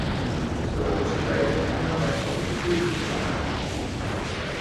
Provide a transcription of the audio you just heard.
Het is de hoogste tijd om andere maatschappelijke keuzen te maken.